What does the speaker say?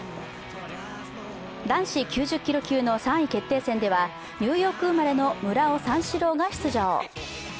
男子９０キロ級の３位決定戦ではニューヨーク生まれの村尾三四郎が出場。